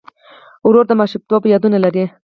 ورور د ماشومتوب یادونه لري.